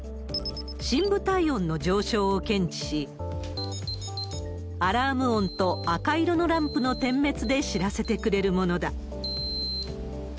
深部体温の上昇を検知し、アラーム音と赤色のランプの点滅で知らせてくれるものだ。